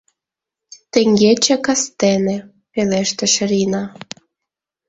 — Теҥгече кастене, — пелештыш Рина.